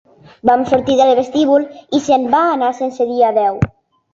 Vam sortir al vestíbul i se'n va anar sense dir adeu.